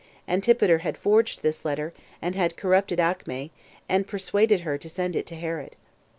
Antipater had forged this letter, and had corrupted Acme, and persuaded her to send it to Herod.